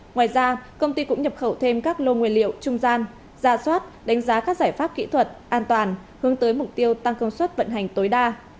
ngoài ra công ty cũng nhập khẩu thêm các lô nguyên liệu trung gian ra soát đánh giá các giải pháp kỹ thuật an toàn hướng tới mục tiêu tăng công suất vận hành tối đa